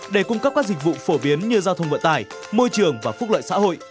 để cung cấp các dịch vụ phổ biến như giao thông vận tải môi trường và phúc lợi xã hội